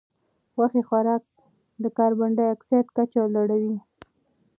غوښې خوراک د کاربن ډای اکسایډ کچه لوړوي.